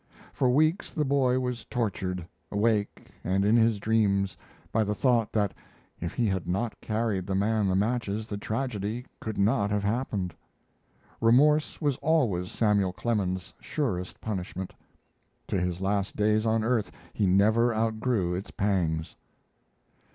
For weeks the boy was tortured, awake and in his dreams, by the thought that if he had not carried the man the matches the tragedy could not have happened. Remorse was always Samuel Clemens's surest punishment. To his last days on earth he never outgrew its pangs.